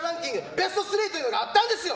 ベスト３というのがあったんですよ！